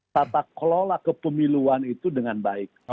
tata kelola kepemiluan itu dengan baik